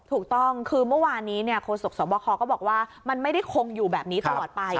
ถูกต้องคือเมื่อวานนี้โฆษกสวบคก็บอกว่ามันไม่ได้คงอยู่แบบนี้ตลอดไป